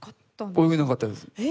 泳げなかったです。